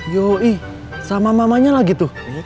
yoi sama mamanya lagi tuh